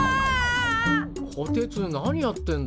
こてつ何やってんだ。